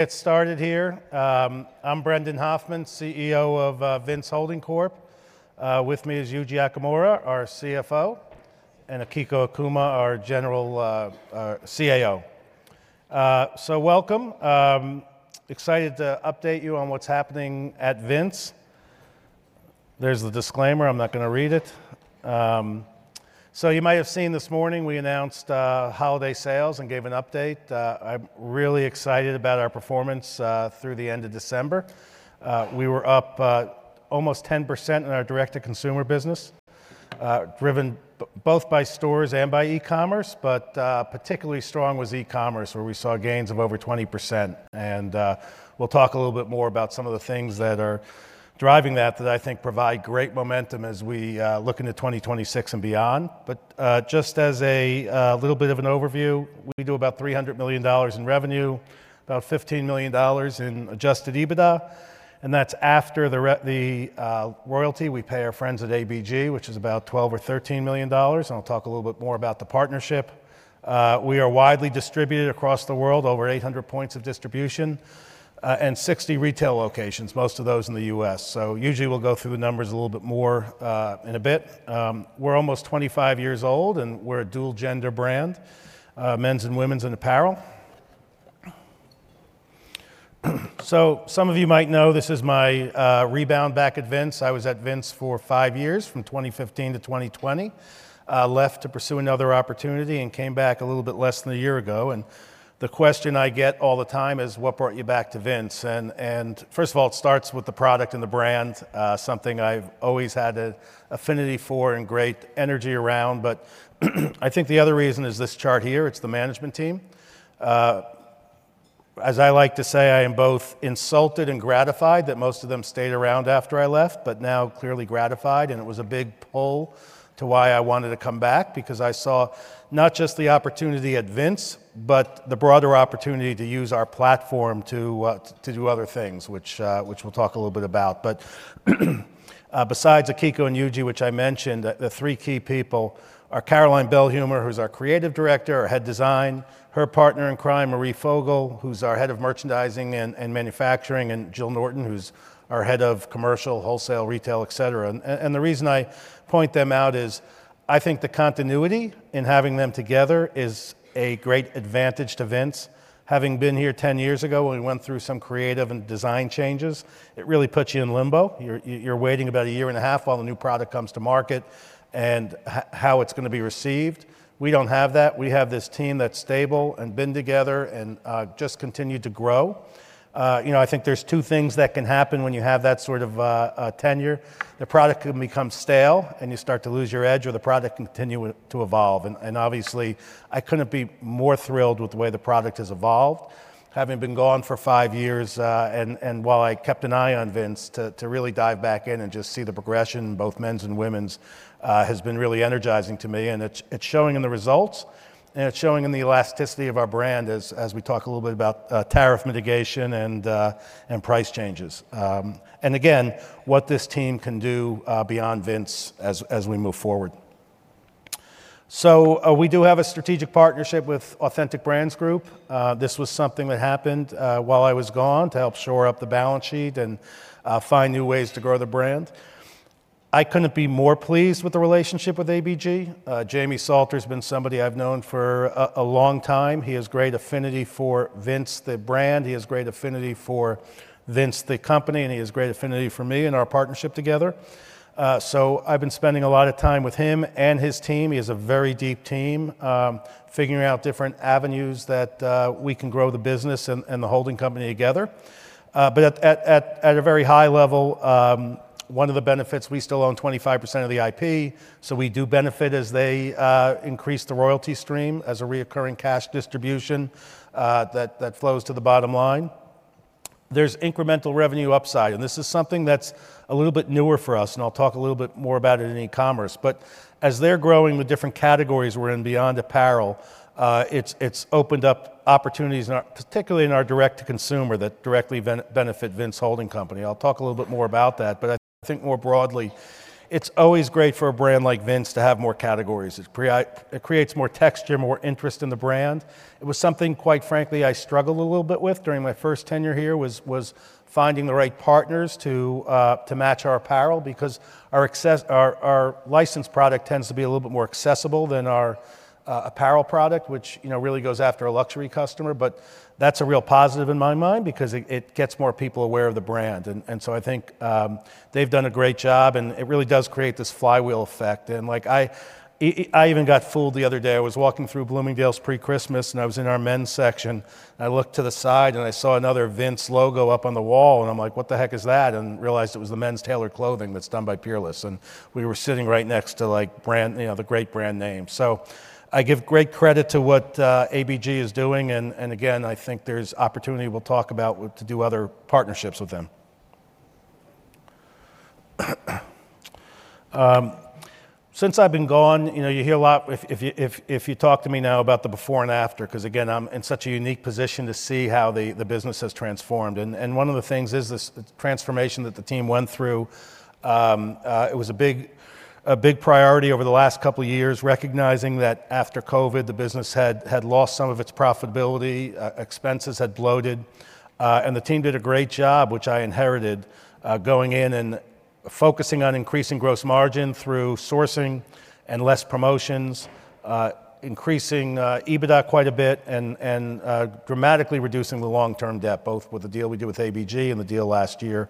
Get started here. I'm Brendan Hoffman, CEO of Vince Holding Corp. With me is Yuji Okumura, our CFO, and Akiko Okuma, our CAO, so welcome. Excited to update you on what's happening at Vince. There's the disclaimer. I'm not going to read it, so you might have seen this morning we announced holiday sales and gave an update. I'm really excited about our performance through the end of December. We were up almost 10% in our direct-to-consumer business, driven both by stores and by e-commerce, but particularly strong was e-commerce, where we saw gains of over 20%, and we'll talk a little bit more about some of the things that are driving that, that I think provide great momentum as we look into 2026 and beyond, but just as a little bit of an overview, we do about $300 million in revenue, about $15 million in Adjusted EBITDA. And that's after the royalty we pay our friends at ABG, which is about $12 or $13 million. And I'll talk a little bit more about the partnership. We are widely distributed across the world, over 800 points of distribution and 60 retail locations, most of those in the U.S. So usually we'll go through the numbers a little bit more in a bit. We're almost 25 years old, and we're a dual-gender brand, men's and women's in apparel. So some of you might know this is my rebound back at Vince. I was at Vince for five years, from 2015 to 2020, left to pursue another opportunity and came back a little bit less than a year ago. And the question I get all the time is, what brought you back to Vince? First of all, it starts with the product and the brand, something I've always had an affinity for and great energy around. I think the other reason is this chart here. It's the management team. As I like to say, I am both insulted and gratified that most of them stayed around after I left, but now clearly gratified. It was a big pull to why I wanted to come back, because I saw not just the opportunity at Vince, but the broader opportunity to use our platform to do other things, which we'll talk a little bit about. Besides Akiko and Yuji, which I mentioned, the three key people are Caroline Belhumeur, who's our creative director, our head of design, her partner in crime, Marie Fogel, who's our head of merchandising and manufacturing, and Jill Norton, who's our head of commercial, wholesale, retail, et cetera. And the reason I point them out is I think the continuity in having them together is a great advantage to Vince. Having been here 10 years ago, we went through some creative and design changes. It really puts you in limbo. You're waiting about a year and a half while the new product comes to market and how it's going to be received. We don't have that. We have this team that's stable and been together and just continued to grow. I think there's two things that can happen when you have that sort of tenure. The product can become stale and you start to lose your edge, or the product can continue to evolve. And obviously, I couldn't be more thrilled with the way the product has evolved. Having been gone for five years and while I kept an eye on Vince to really dive back in and just see the progression, both men's and women's, has been really energizing to me. And it's showing in the results, and it's showing in the elasticity of our brand as we talk a little bit about tariff mitigation and price changes. And again, what this team can do beyond Vince as we move forward. So we do have a strategic partnership with Authentic Brands Group. This was something that happened while I was gone to help shore up the balance sheet and find new ways to grow the brand. I couldn't be more pleased with the relationship with ABG. Jamie Salter has been somebody I've known for a long time. He has great affinity for Vince, the brand. He has great affinity for Vince, the company, and he has great affinity for me and our partnership together. So I've been spending a lot of time with him and his team. He has a very deep team figuring out different avenues that we can grow the business and the holding company together. But at a very high level, one of the benefits, we still own 25% of the IP, so we do benefit as they increase the royalty stream as a recurring cash distribution that flows to the bottom line. There's incremental revenue upside, and this is something that's a little bit newer for us, and I'll talk a little bit more about it in e-commerce. But as they're growing with different categories, we're in beyond apparel. It's opened up opportunities, particularly in our direct-to-consumer, that directly benefit Vince Holding Company. I'll talk a little bit more about that. But I think more broadly, it's always great for a brand like Vince to have more categories. It creates more texture, more interest in the brand. It was something, quite frankly, I struggled a little bit with during my first tenure here was finding the right partners to match our apparel, because our licensed product tends to be a little bit more accessible than our apparel product, which really goes after a luxury customer. But that's a real positive in my mind, because it gets more people aware of the brand. And so I think they've done a great job, and it really does create this flywheel effect. And I even got fooled the other day. I was walking through Bloomingdale's pre-Christmas, and I was in our men's section. I looked to the side and I saw another Vince logo up on the wall, and I'm like, what the heck is that, and realized it was the men's tailored clothing that's done by Peerless. And we were sitting right next to the great brand name. So I give great credit to what ABG is doing. And again, I think there's opportunity we'll talk about to do other partnerships with them. Since I've been gone, you hear a lot, if you talk to me now, about the before and after, because again, I'm in such a unique position to see how the business has transformed. And one of the things is this transformation that the team went through. It was a big priority over the last couple of years, recognizing that after COVID, the business had lost some of its profitability, expenses had bloated. And the team did a great job, which I inherited, going in and focusing on increasing gross margin through sourcing and less promotions, increasing EBITDA quite a bit, and dramatically reducing the long-term debt, both with the deal we did with ABG and the deal last year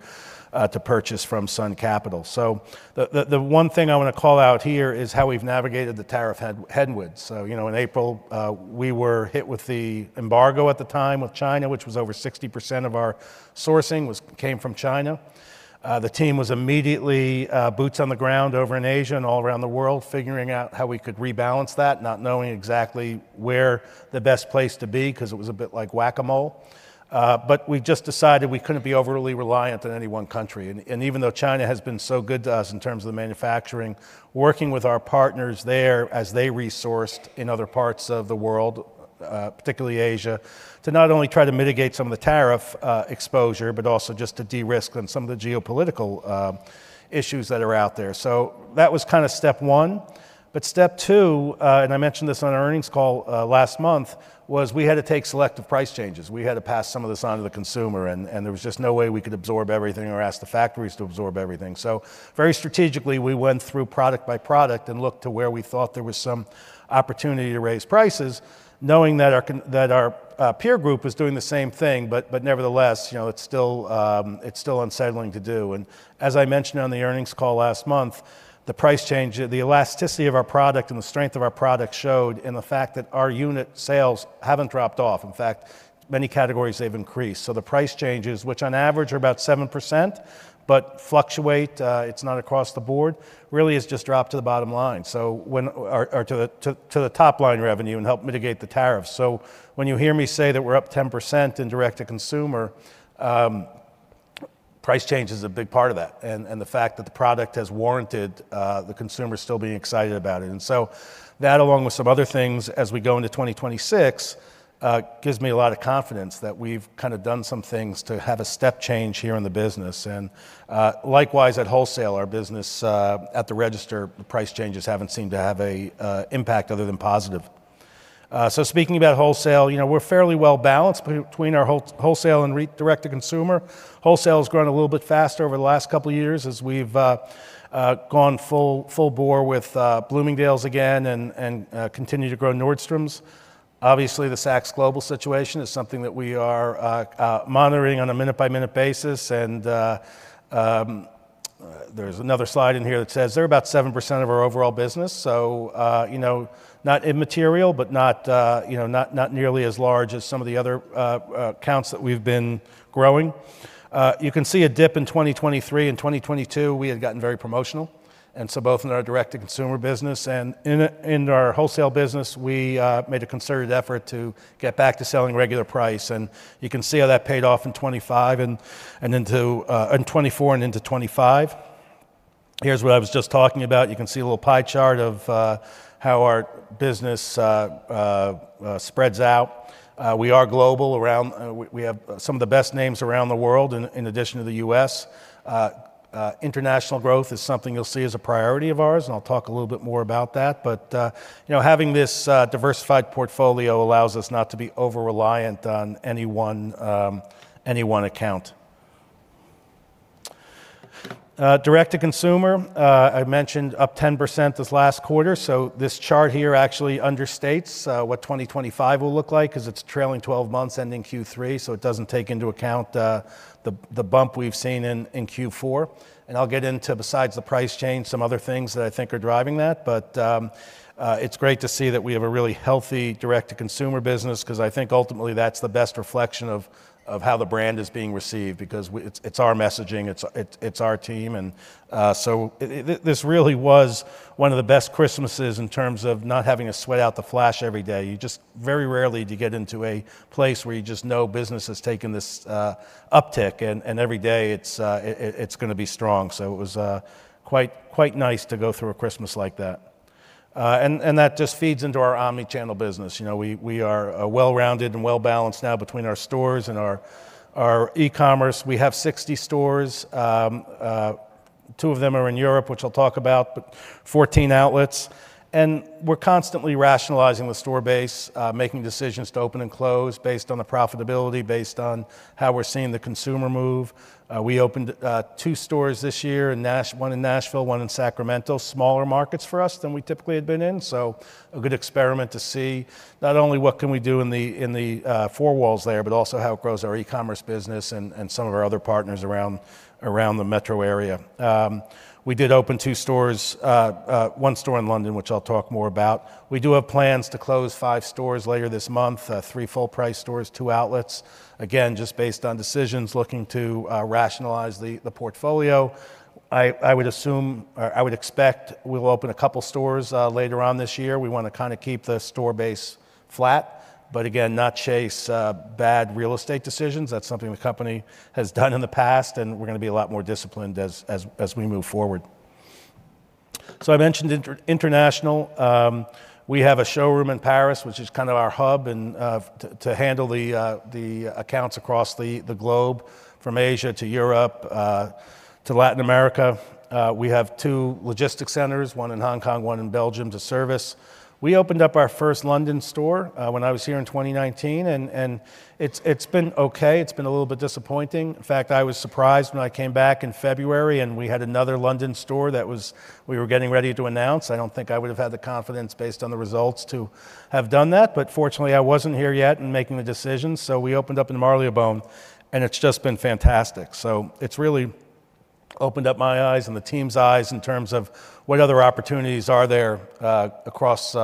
to purchase from Sun Capital. So the one thing I want to call out here is how we've navigated the tariff headwinds. So in April, we were hit with the tariffs at the time with China, which was over 60% of our sourcing came from China. The team was immediately boots on the ground over in Asia and all around the world, figuring out how we could rebalance that, not knowing exactly where the best place to be, because it was a bit like Whac-A-Mole. But we just decided we couldn't be overly reliant on any one country. And even though China has been so good to us in terms of the manufacturing, working with our partners there as they sourced in other parts of the world, particularly Asia, to not only try to mitigate some of the tariff exposure, but also just to de-risk on some of the geopolitical issues that are out there. So that was kind of step one. But step two, and I mentioned this on our earnings call last month, was we had to take selective price changes. We had to pass some of this on to the consumer, and there was just no way we could absorb everything or ask the factories to absorb everything. So very strategically, we went through product by product and looked to where we thought there was some opportunity to raise prices, knowing that our peer group was doing the same thing. But nevertheless, it's still unsettling to do. And as I mentioned on the earnings call last month, the price change, the elasticity of our product and the strength of our product showed in the fact that our unit sales haven't dropped off. In fact, many categories have increased. So the price changes, which on average are about 7%, but fluctuate, it's not across the board, really has just dropped to the bottom line, so to the top line revenue and help mitigate the tariffs. So when you hear me say that we're up 10% in direct-to-consumer, price change is a big part of that, and the fact that the product has warranted the consumer still being excited about it. And so that, along with some other things as we go into 2026, gives me a lot of confidence that we've kind of done some things to have a step change here in the business. And likewise, at wholesale, our business at the register, the price changes haven't seemed to have an impact other than positive. So speaking about wholesale, we're fairly well balanced between our wholesale and direct-to-consumer. Wholesale has grown a little bit faster over the last couple of years as we've gone full bore with Bloomingdale's again and continued to grow Nordstrom's. Obviously, the Saks Global situation is something that we are monitoring on a minute-by-minute basis. And there's another slide in here that says they're about 7% of our overall business, so not immaterial, but not nearly as large as some of the other accounts that we've been growing. You can see a dip in 2023. In 2022, we had gotten very promotional, and so both in our direct-to-consumer business and in our wholesale business, we made a concerted effort to get back to selling regular price, and you can see how that paid off in 2024 and into 2025. Here's what I was just talking about. You can see a little pie chart of how our business spreads out. We are global. We have some of the best names around the world in addition to the U.S. International growth is something you'll see as a priority of ours, and I'll talk a little bit more about that, but having this diversified portfolio allows us not to be over-reliant on any one account. Direct-to-consumer, I mentioned up 10% this last quarter. This chart here actually understates what 2025 will look like, because it's trailing 12 months ending Q3, so it doesn't take into account the bump we've seen in Q4. I'll get into, besides the supply chain, some other things that I think are driving that. It's great to see that we have a really healthy direct-to-consumer business, because I think ultimately that's the best reflection of how the brand is being received, because it's our messaging, it's our team. This really was one of the best Christmases in terms of not having to sweat out the flash every day. You just very rarely get into a place where you just know business has taken this uptick, and every day it's going to be strong. It was quite nice to go through a Christmas like that. And that just feeds into our omnichannel business. We are well-rounded and well-balanced now between our stores and our e-commerce. We have 60 stores. Two of them are in Europe, which I'll talk about, but 14 outlets. And we're constantly rationalizing the store base, making decisions to open and close based on the profitability, based on how we're seeing the consumer move. We opened two stores this year, one in Nashville, one in Sacramento, smaller markets for us than we typically had been in. So a good experiment to see not only what can we do in the four walls there, but also how it grows our e-commerce business and some of our other partners around the metro area. We did open two stores, one store in London, which I'll talk more about. We do have plans to close five stores later this month, three full-price stores, two outlets. Again, just based on decisions looking to rationalize the portfolio. I would assume, or I would expect we'll open a couple of stores later on this year. We want to kind of keep the store base flat, but again, not chase bad real estate decisions. That's something the company has done in the past, and we're going to be a lot more disciplined as we move forward. So I mentioned international. We have a showroom in Paris, which is kind of our hub to handle the accounts across the globe from Asia to Europe to Latin America. We have two logistics centers, one in Hong Kong, one in Belgium, to service. We opened up our first London store when I was here in 2019, and it's been okay. It's been a little bit disappointing. In fact, I was surprised when I came back in February, and we had another London store that we were getting ready to announce. I don't think I would have had the confidence based on the results to have done that. But fortunately, I wasn't here yet and making the decision. So we opened up in Marylebone, and it's just been fantastic. So it's really opened up my eyes and the team's eyes in terms of what other opportunities are there across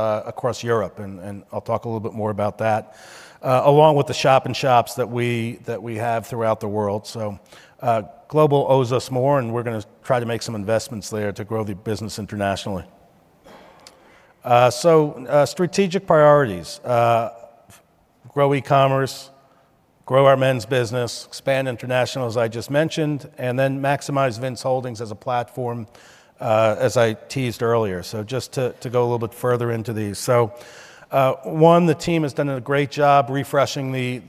Europe. And I'll talk a little bit more about that, along with the shop and shops that we have throughout the world. So global owes us more, and we're going to try to make some investments there to grow the business internationally. So strategic priorities: grow e-commerce, grow our men's business, expand international, as I just mentioned, and then maximize Vince Holding as a platform, as I teased earlier. So just to go a little bit further into these. So one, the team has done a great job refreshing the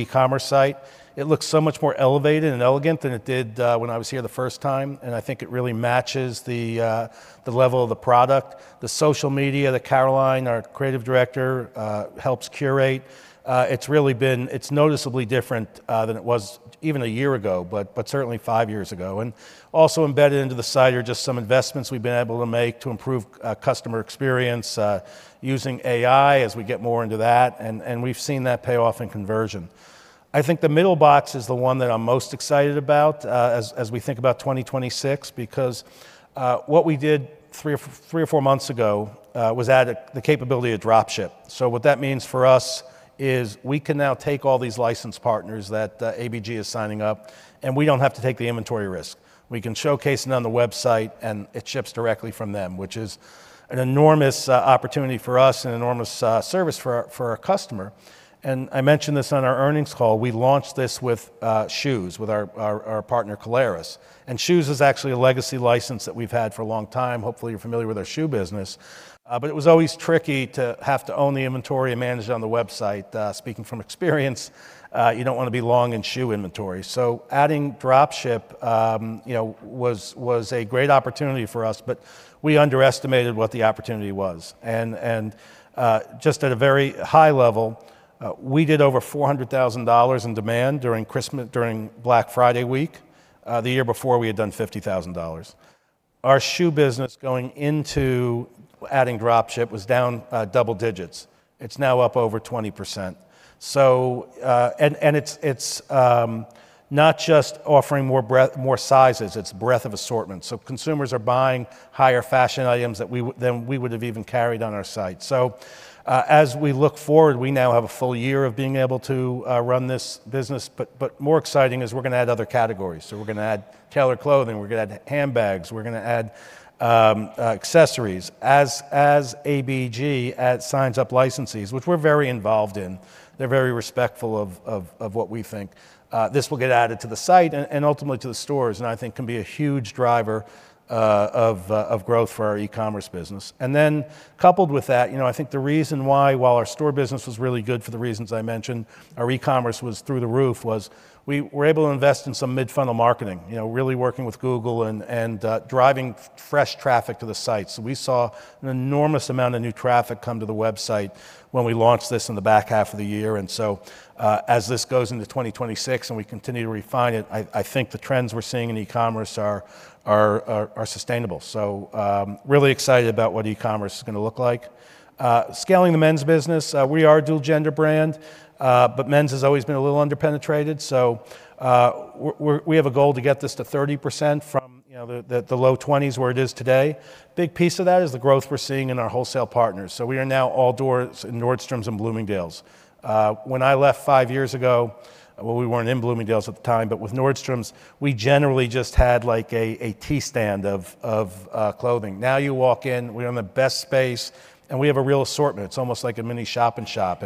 e-commerce site. It looks so much more elevated and elegant than it did when I was here the first time, and I think it really matches the level of the product. The social media, the Caroline, our Creative Director, helps curate. It's noticeably different than it was even a year ago, but certainly five years ago. And also embedded into the site are just some investments we've been able to make to improve customer experience using AI as we get more into that, and we've seen that pay off in conversion. I think the middle box is the one that I'm most excited about as we think about 2026, because what we did three or four months ago was add the capability of dropship, so what that means for us is we can now take all these licensed partners that ABG is signing up, and we don't have to take the inventory risk. We can showcase it on the website, and it ships directly from them, which is an enormous opportunity for us and enormous service for our customer, and I mentioned this on our earnings call. We launched this with shoes, with our partner Caleres, and shoes is actually a legacy license that we've had for a long time. Hopefully, you're familiar with our shoe business, but it was always tricky to have to own the inventory and manage it on the website. Speaking from experience, you don't want to be long in shoe inventory. So adding dropship was a great opportunity for us, but we underestimated what the opportunity was. And just at a very high level, we did over $400,000 in demand during Black Friday week. The year before we had done $50,000. Our shoe business going into adding dropship was down double digits. It's now up over 20%. And it's not just offering more sizes. It's breadth of assortment. So consumers are buying higher fashion items than we would have even carried on our site. So as we look forward, we now have a full year of being able to run this business. But more exciting is we're going to add other categories. So we're going to add tailored clothing. We're going to add handbags. We're going to add accessories. As ABG signs up licenses, which we're very involved in, they're very respectful of what we think, this will get added to the site and ultimately to the stores, and I think can be a huge driver of growth for our e-commerce business. And then coupled with that, I think the reason why, while our store business was really good for the reasons I mentioned, our e-commerce was through the roof, was we were able to invest in some mid-funnel marketing, really working with Google and driving fresh traffic to the site. So we saw an enormous amount of new traffic come to the website when we launched this in the back half of the year. And so as this goes into 2026 and we continue to refine it, I think the trends we're seeing in e-commerce are sustainable. So really excited about what e-commerce is going to look like. Scaling the men's business, we are a dual-gender brand, but men's has always been a little underpenetrated. So we have a goal to get this to 30% from the low 20s where it is today. Big piece of that is the growth we're seeing in our wholesale partners. So we are now all doors in Nordstrom's and Bloomingdale's. When I left five years ago, well, we weren't in Bloomingdale's at the time, but with Nordstrom's, we generally just had like a T-stand of clothing. Now you walk in, we're in the best space, and we have a real assortment. It's almost like a mini shop-in-shop.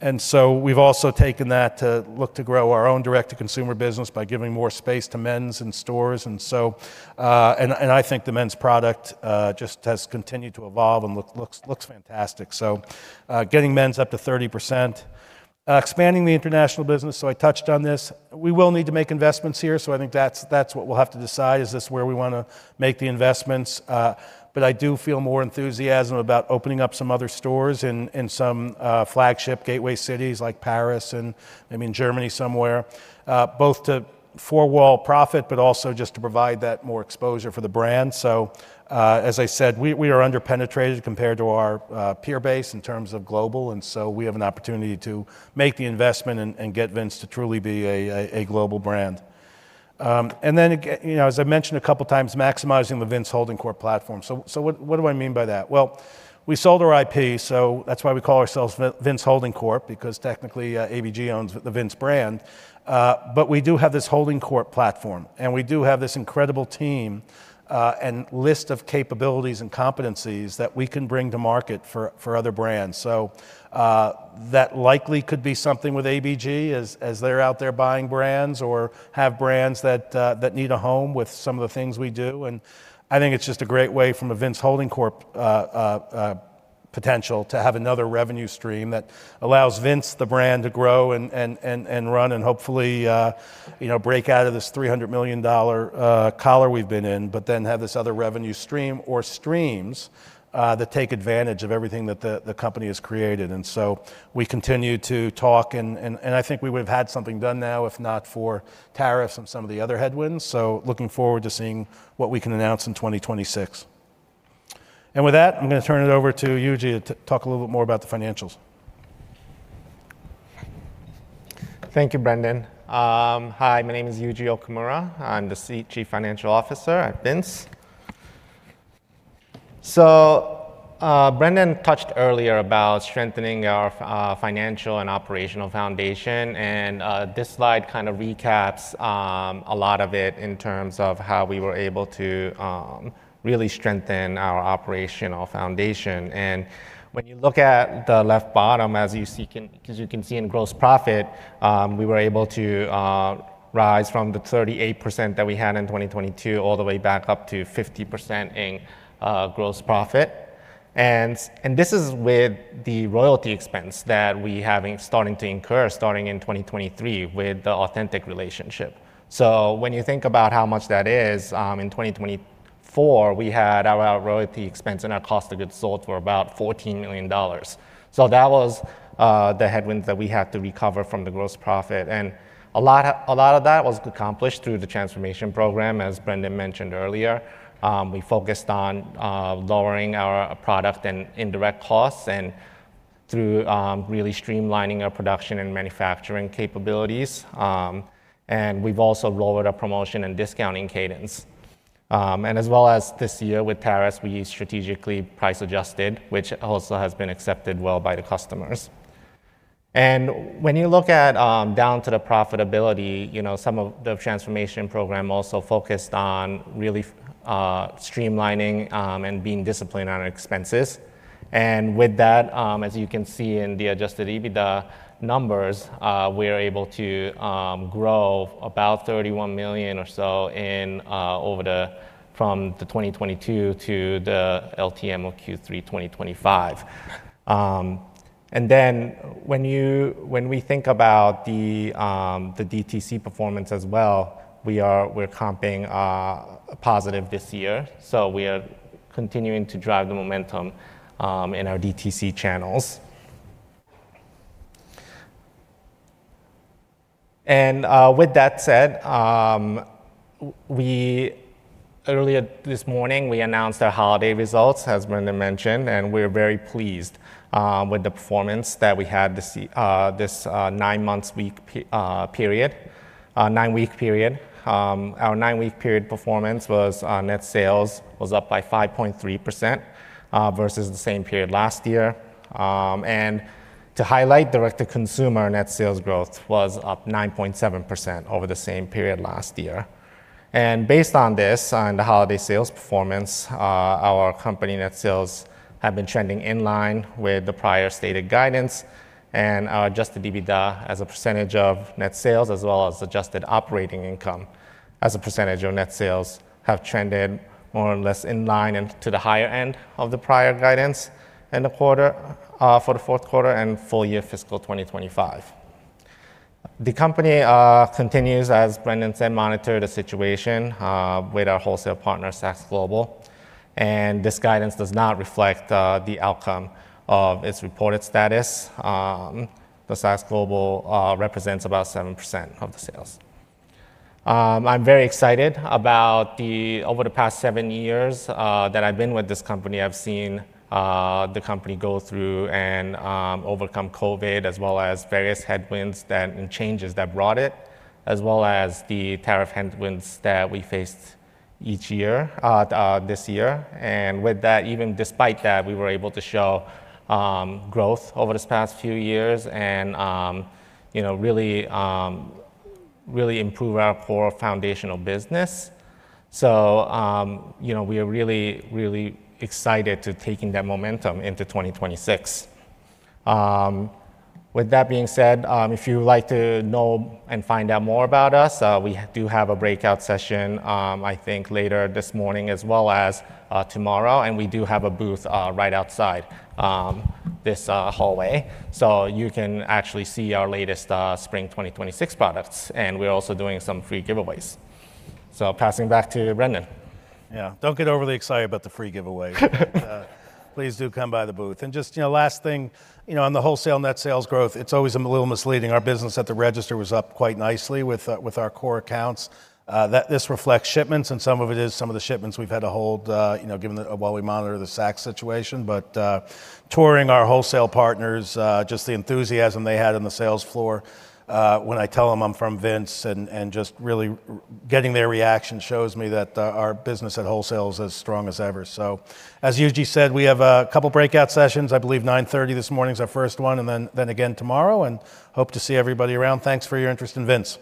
And so we've also taken that to look to grow our own direct-to-consumer business by giving more space to men's in stores. And I think the men's product just has continued to evolve and looks fantastic. Getting men's up to 30%, expanding the international business. I touched on this. We will need to make investments here. I think that's what we'll have to decide. Is this where we want to make the investments? I do feel more enthusiasm about opening up some other stores in some flagship gateway cities like Paris and maybe in Germany somewhere, both to four-wall profit, but also just to provide that more exposure for the brand. As I said, we are underpenetrated compared to our peer base in terms of global. We have an opportunity to make the investment and get Vince to truly be a global brand. Then, as I mentioned a couple of times, maximizing the Vince Holding Corp platform. What do I mean by that? We sold our IP, so that's why we call ourselves Vince Holding Corp, because technically ABG owns the Vince brand. But we do have this Holding Corp platform, and we do have this incredible team and list of capabilities and competencies that we can bring to market for other brands. So that likely could be something with ABG as they're out there buying brands or have brands that need a home with some of the things we do. And I think it's just a great way from a Vince Holding Corp potential to have another revenue stream that allows Vince, the brand, to grow and run and hopefully break out of this $300 million collar we've been in, but then have this other revenue stream or streams that take advantage of everything that the company has created. And so we continue to talk, and I think we would have had something done now if not for tariffs and some of the other headwinds. So looking forward to seeing what we can announce in 2026. And with that, I'm going to turn it over to Yuji to talk a little bit more about the financials. Thank you, Brendan. Hi, my name is Yuji Okumura. I'm the Chief Financial Officer at Vince. So Brendan touched earlier about strengthening our financial and operational foundation, and this slide kind of recaps a lot of it in terms of how we were able to really strengthen our operational foundation. And when you look at the left bottom, as you can see in gross profit, we were able to rise from the 38% that we had in 2022 all the way back up to 50% in gross profit. And this is with the royalty expense that we have starting to incur starting in 2023 with the Authentic relationship. So when you think about how much that is, in 2024, we had our royalty expense and our cost of goods sold for about $14 million. So that was the headwinds that we had to recover from the gross profit. And a lot of that was accomplished through the transformation program, as Brendan mentioned earlier. We focused on lowering our product and indirect costs and through really streamlining our production and manufacturing capabilities. And we've also lowered our promotion and discounting cadence. And as well as this year with tariffs, we strategically price adjusted, which also has been accepted well by the customers. And when you look down to the profitability, some of the transformation program also focused on really streamlining and being disciplined on our expenses. And with that, as you can see in the Adjusted EBITDA numbers, we are able to grow about $31 million or so from the 2022 to the LTM of Q3 2025. And then when we think about the DTC performance as well, we're comping positive this year. So we are continuing to drive the momentum in our DTC channels. And with that said, earlier this morning, we announced our holiday results, as Brendan mentioned, and we're very pleased with the performance that we had this nine-month period, nine-week period. Our nine-week period performance was net sales was up by 5.3% versus the same period last year. And to highlight, direct-to-consumer net sales growth was up 9.7% over the same period last year. And based on this and the holiday sales performance, our company net sales have been trending in line with the prior stated guidance. And our adjusted EBITDA as a percentage of net sales, as well as adjusted operating income as a percentage of net sales, have trended more or less in line and to the higher end of the prior guidance for the fourth quarter and full year fiscal 2025. The company continues, as Brendan said, monitor the situation with our wholesale partner, Saks Global. This guidance does not reflect the outcome of its reported status. Saks Global represents about 7% of the sales. I'm very excited about the over the past seven years that I've been with this company. I've seen the company go through and overcome COVID, as well as various headwinds and changes that brought it, as well as the tariff headwinds that we faced this year. With that, even despite that, we were able to show growth over this past few years and really improve our core foundational business. We are really, really excited to take that momentum into 2026. With that being said, if you would like to know and find out more about us, we do have a breakout session, I think, later this morning as well as tomorrow. We do have a booth right outside this hallway. You can actually see our latest spring 2026 products. We're also doing some free giveaways. Passing back to Brendan. Yeah, don't get overly excited about the free giveaway. Please do come by the booth, and just last thing, on the wholesale net sales growth, it's always a little misleading. Our business at the register was up quite nicely with our core accounts. This reflects shipments, and some of it is some of the shipments we've had to hold given while we monitor the Saks situation, but touring our wholesale partners, just the enthusiasm they had on the sales floor when I tell them I'm from Vince and just really getting their reaction shows me that our business at wholesale is as strong as ever, so as Yuji said, we have a couple of breakout sessions. I believe 9:30 A.M. this morning is our first one, and then again tomorrow, and hope to see everybody around. Thanks for your interest in Vince.